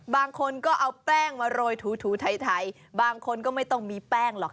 บางคนก็เอาแป้งมาโรยถูไทยบางคนก็ไม่ต้องมีแป้งหรอก